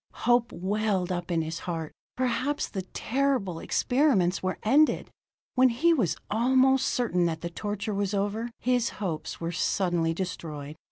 Hope welled up in his heart; perhaps the terrible experiments were ended. When he was almost certain that the torture was over, his hopes were suddenly destroyed.